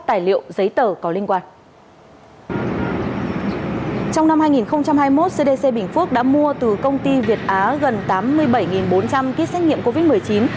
trong năm hai nghìn hai mươi một cdc bình phước đã mua từ công ty việt á gần tám mươi bảy bốn trăm linh kit xét nghiệm covid một mươi chín